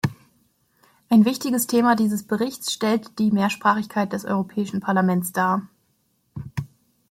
Ein wichtiges Thema dieses Berichts stellt die Mehrsprachigkeit des Europäischen Parlaments dar.